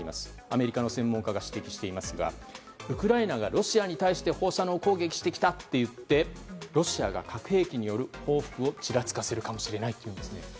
アメリカの専門家が指摘していますがウクライナがロシアに対して放射能攻撃をしてきた！と言ってロシアが核兵器による報復をちらつかせるかもしれないというんですね。